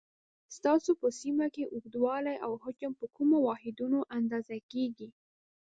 ستاسو په سیمه کې اوږدوالی او حجم په کومو واحدونو اندازه کېږي؟